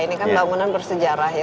ini kan bangunan bersejarah ya